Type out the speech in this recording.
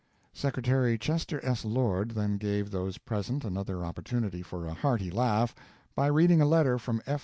Secretary Chester S. Lord then gave those present another opportunity for a hearty laugh by reading a letter from F.